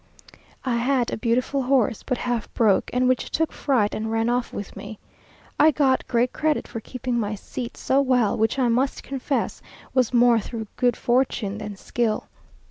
I had a beautiful horse, but half broke, and which took fright and ran off with me. I got great credit for keeping my seat so well, which I must confess was more through good fortune than skill.